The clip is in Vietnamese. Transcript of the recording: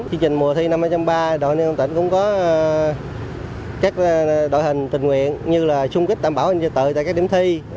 chương trình mùa thi năm hai nghìn ba đội niên công an tỉnh cũng có các đội hình tình nguyện như là xung kích đảm bảo hướng dẫn cho tự tại các điểm thi